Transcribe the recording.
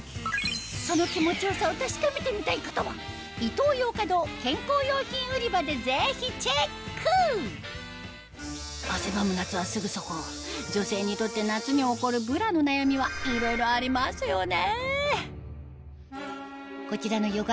その気持ち良さを確かめてみたい方はでぜひチェック！はすぐそこ女性にとって夏に起こるブラの悩みはいろいろありますよね